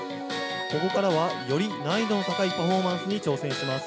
ここからはより難易度の高いパフォーマンスに挑戦します。